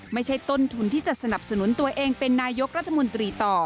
ไม่ใช่ต้นทุนที่จะสนับสนุนตัวเองเป็นนายกรัฐมนตรีต่อ